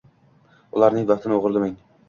Ularning vaqtini o‘g‘irlamang.